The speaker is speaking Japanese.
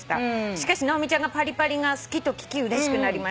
「しかし直美ちゃんがパリパリが好きと聞きうれしくなりました。